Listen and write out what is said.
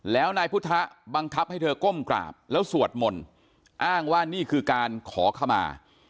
แล้วนายพุทธะบังคับให้เธอก้มกราบแล้วสวดมนต์อ้างว่านี่คือการขอขมา